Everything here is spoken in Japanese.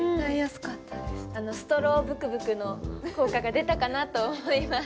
あのストローぶくぶくの効果が出たかなと思います。